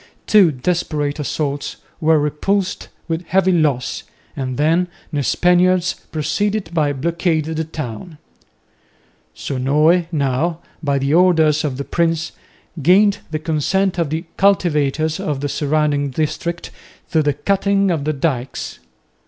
Two desperate assaults were repulsed with heavy loss, and then the Spaniards proceeded to blockade the town. Sonoy now, by the orders of the prince, gained the consent of the cultivators of the surrounding district to the cutting of the dykes.